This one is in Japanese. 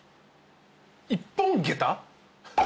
一本下駄？